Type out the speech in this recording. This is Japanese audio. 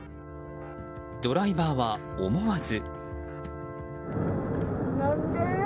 ドライバーは思わず。